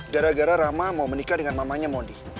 gara gara rama mau menikah dengan mamanya mondi